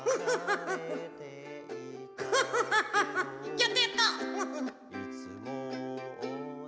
やったやった。